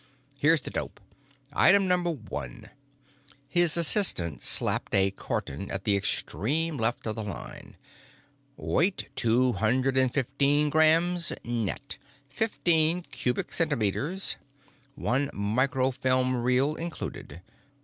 Here's the dope. Item Number One——" His assistant slapped a carton at the extreme left of the line. "——weight two hundred and fifteen grams, net; fifteen cubic centimeters; one microfilm reel included.